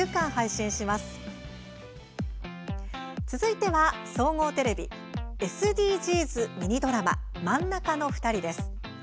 続いては、総合テレビＳＤＧｓミニドラマ「真ん中のふたり」です。